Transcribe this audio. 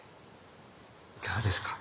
いかがですか？